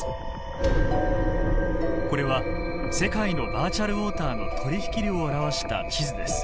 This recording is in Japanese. これは世界のバーチャルウォーターの取引量を表した地図です。